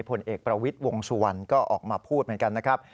ผลเอกประวิทย์วงสุวรรณก็ออกมาพูดเหมือนกันนะครับ